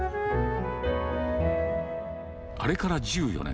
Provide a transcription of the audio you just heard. あれから１４年。